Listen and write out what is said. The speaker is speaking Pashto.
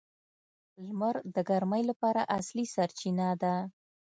• لمر د ګرمۍ لپاره اصلي سرچینه ده.